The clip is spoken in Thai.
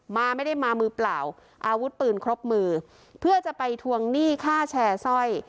มาไม่ได้มามือเปล่าอาวุธปืนครบมือเพื่อจะไปทวงหนี้ค่าแชร์สร้อย